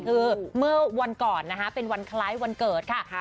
คือเมื่อวันก่อนนะคะเป็นวันคล้ายวันเกิดค่ะ